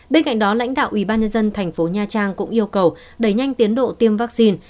bên cạnh đó lãnh đạo ubnd thành phố nha trang cũng yêu cầu đẩy nhanh tiến độ tiêm vaccine